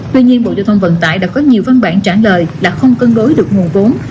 tuy nhiên bộ giao thông vận tải đã có nhiều văn bản trả lời là không cân đối được nguồn vốn